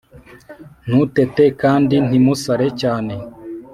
ntutete kandi ntimusare cyane